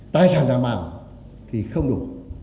tài sản đảm bảo thì không đủ